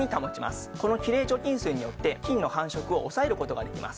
このきれい除菌水によって菌の繁殖を抑える事ができます。